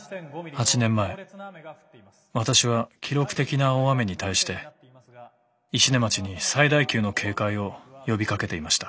８年前私は記録的な大雨に対して石音町に最大級の警戒を呼びかけていました。